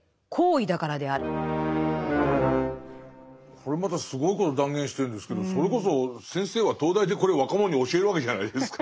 これまたすごいこと断言してるんですけどそれこそ先生は東大でこれ若者に教えるわけじゃないですか。